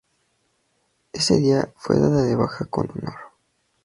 Ese día, fue dada de baja con honor.